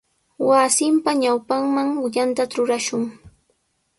Wasinpa ñawpanman yanta trurashun.